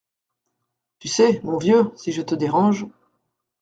Tu sais, mon vieux, si je te dérange…